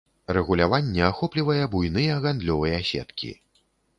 Рэгуляванне ахоплівае буйныя гандлёвыя сеткі.